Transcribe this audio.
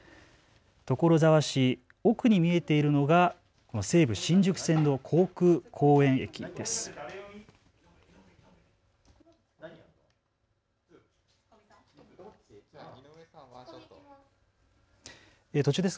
所沢市、奥に見えているのが西武新宿線の航空公園駅です。